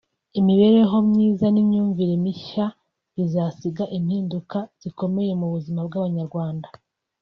imibereho myiza n’imyumvire mishya bizasiga impinduka zikomeye mu buzima bw’Abanyarwanda